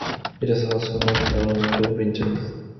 It has hot summers and cool winters.